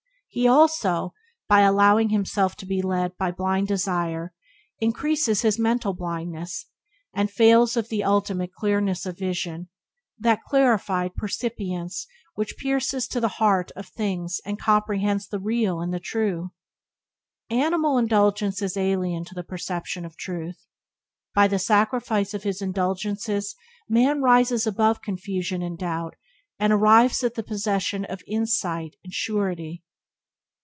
He also, by allowing himself to be led by blind desire, increases his mental blindness, and fails of that ultimate clearness of vision, that clarified percipience which pierces to the heart of things and comprehends the real and the true. Animal indulgence is alien to the perception of Truth. By the sacrifice of his indulgences man rises above confusion and doubt, and arrives at the possession of insight and surety.